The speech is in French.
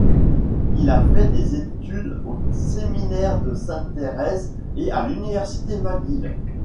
Il a fait des études au Séminaire de Sainte-Thérèse et à l'Université McGill.